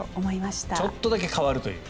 ちょっとだけ変わるという。